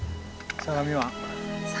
相模湾。